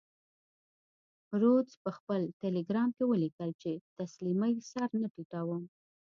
رودز په خپل ټیلګرام کې ولیکل چې تسلیمۍ سر نه ټیټوم.